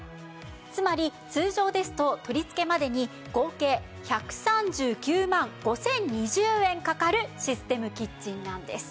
つまり通常ですと取り付けまでに合計１３９万５０２０円かかるシステムキッチンなんです。